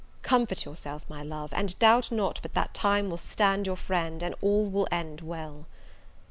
Comfort yourself, my love; and doubt not but that time will stand your friend, and all will end well."